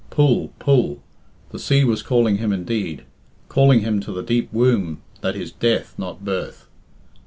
Pull, pull! The sea was calling him indeed. Calling him to the deep womb that is death, not birth.